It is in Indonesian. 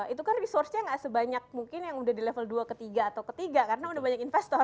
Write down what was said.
itu kan resource nya gak sebanyak mungkin yang udah di level dua ketiga atau ketiga karena udah banyak investor